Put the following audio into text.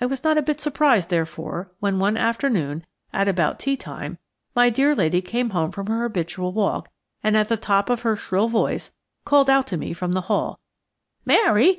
I was not a bit surprised, therefore, when, one afternoon at about teatime, my dear lady came home from her habitual walk, and, at the top of her shrill voice, called out to me from the hall: "Mary!